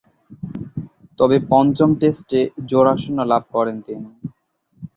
তবে, পঞ্চম টেস্টে জোড়া শূন্য লাভ করেন তিনি।